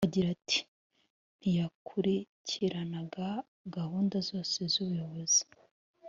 agira ati "Ntiyakurikiranaga gahunda zose z’ubuyobozi